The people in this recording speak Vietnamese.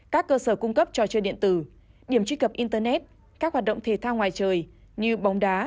các cơ sở cung cấp trò chơi điện tử điểm truy cập internet các hoạt động thể thao ngoài trời như bóng đá